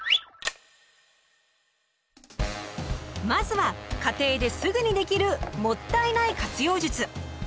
まずは家庭ですぐにできる「もったいない活用術」。